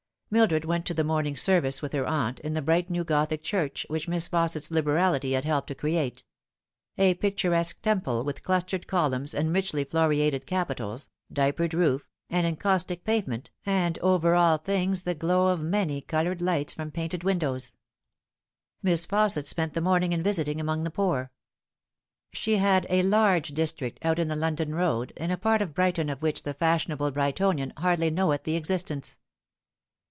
Mildred went to the morning service with her aunt, in the bright new Gothic church which Miss Fausset's liberality had helped to create : a picturesque temple with clustered columns and richly floriated capitals, diapered roof, and encaus tic pavement, and over all things the glow of many coloured lights from painted windows. Miss Fausset spent the morning in visiting among the poor. She had a large district out in the London Road, in a part of Brighton of which the fashionable Brightonian hardly knoweth the existence.